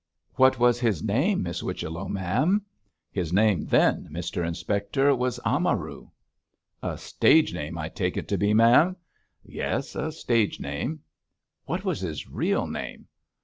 'What was his name, Miss Whichello, ma'am?' 'His name then, Mr Inspector, was Amaru!' 'A stage name I take it to be, ma'am!' 'Yes! a stage name.' 'What was his real name?'